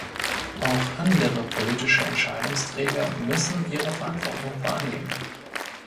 Auch andere politische Entscheidungsträger müssen ihre Verantwortung wahrnehmen.